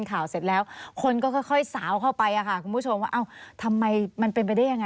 ถ้าเธอไม่รักษาของฉันฉันจะรักษาของฉัน